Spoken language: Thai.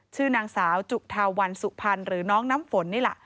ชื่อนางสาวจุธาวันสุพรรณหรือน้องน้ำฝนนี่แหละ